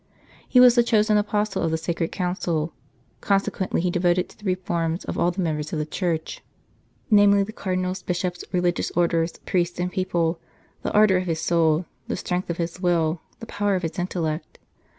He was the chosen Apostle of the Sacred Council ; conse quently he devoted to the reform of all the members of the Church namely, the Cardinals, Bishops, Religious Orders, priests, and people the ardour of his soul, the strength of his will, the power of his intellect.